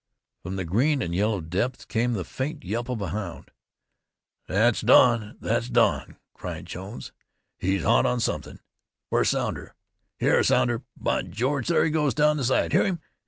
From the green and yellow depths soared the faint yelp of a hound. "That's Don! that's Don!" cried Jones. "He's hot on something. Where's Sounder? Hyar, Sounder! By George! there he goes down the slide. Hear him!